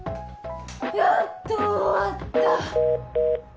やっと終わった！